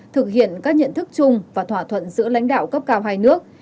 thực hiện các nhận thức chung và thỏa thuận giữa lãnh đạo cấp cao hai nước